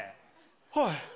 はい。